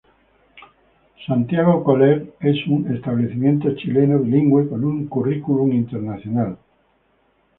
Santiago College es un establecimiento chileno, bilingüe, con un currículum internacional.